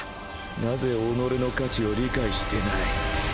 なぜ己の価値を理解してない！